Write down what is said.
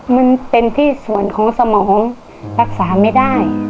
มันเป็นที่ส่วนของสมองรักษาไม่ได้